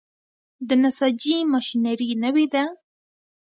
د نساجي ماشینري نوې ده؟